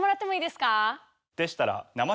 でしたら。